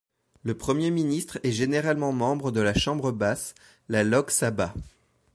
Le Premier ministre est généralement membre de la chambre basse, la Lok Sabha.